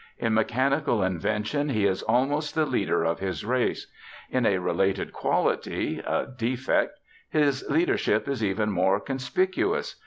In mechanical invention he is almost the leader of his race. In a related quality a defect his leadership is even more conspicuous.